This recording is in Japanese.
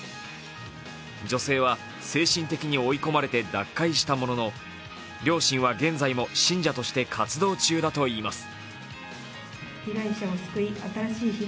女性は精神的に追い込まれて脱会したものの両親は現在も信者として活動中だといいます。